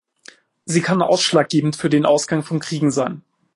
Sie kann ausschlaggebend für den Ausgang von Kriegen sein.